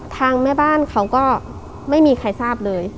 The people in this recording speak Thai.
ทางแม่บ้านเขาก็ไม่มีใครทราบเลย